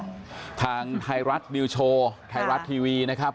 ทางไทยรัฐนิวโชว์ไทยรัฐทีวีนะครับ